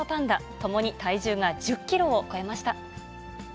ともに体重が１０キロを超えました。